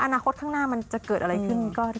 อนาคตข้างหน้ามันจะเกิดอะไรขึ้นก็ได้